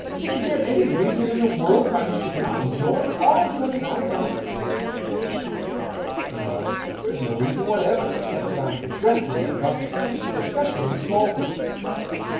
" Is there any reason in the world why you should not enjoy all you have got in life ?"*' No. There is no reason whatever, except that I am dreadfully unlucky, especially in small things."